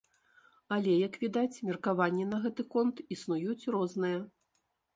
Але, як відаць, меркаванні на гэты конт існуюць розныя.